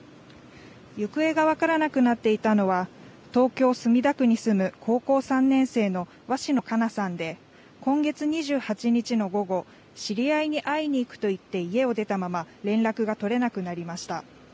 行方が分からなくなっていたのは、東京・墨田区に住む高校３年生の鷲野花夏さんで、今月２８日の午後、知り合いに会いに行くと言って家を出たまま、連絡が取れなくなりました。